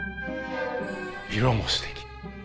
色もすてき！